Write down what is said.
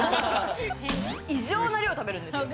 異常な量を食べるんですよ。